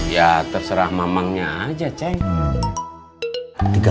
ya terserah mamangnya aja ceng